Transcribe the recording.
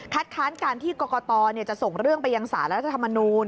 ค้านการที่กรกตจะส่งเรื่องไปยังสารรัฐธรรมนูล